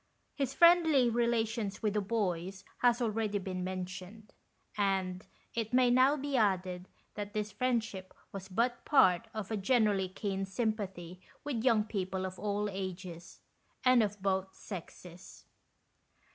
His friendly relations with the boys has already been mentioned, and it may now be added that this friendship was but part of a generally keen sympathy with young people of all ages, and of both sexes.